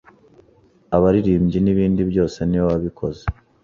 abaririmbyi n’ibindi byose niwe wabikoze.